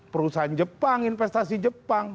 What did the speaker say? perusahaan jepang investasi jepang